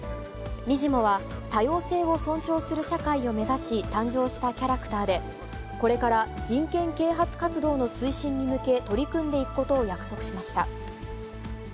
にじモは多様性を尊重する社会を目指し誕生したキャラクターで、これから人権啓発活動の推進に向け、取り組んでいくことを約束しました。